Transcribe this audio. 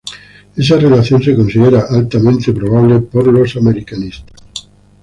Esa relación se considera altamente probable por los americanistas.